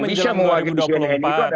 yang bisa mewakili cnn itu adalah